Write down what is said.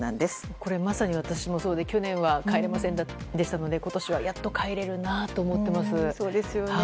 これは、まさに私もそうで去年は帰れませんでしたので今年はやっと帰れるなと思っています。